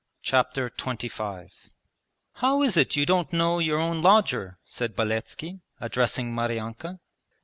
Chapter XXV 'How is it you don't know your own lodger?' said Beletski, addressing Maryanka.